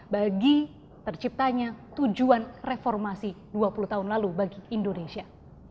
bagi terciptanya tujuan reformasi dua puluh tahun lalu bagi indonesia